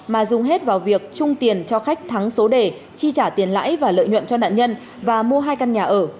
mà dùng hết vào việc trung tiền cho khách thắng số đề chi trả tiền lãi và lợi nhuận cho nạn nhân và mua hai căn nhà ở